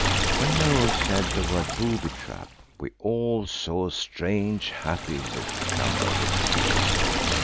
When Noël said the word "booby trap," we all saw a strange, happy look come over Dicky's face.